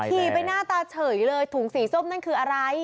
ขี่ไปหน้าตาเฉยเลยถุงสีส้มนั่นคืออะไร